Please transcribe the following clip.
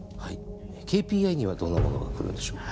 ＫＰＩにはどんなものが来るんでしょう？